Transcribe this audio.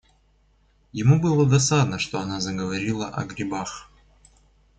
Ему было досадно, что она заговорила о грибах.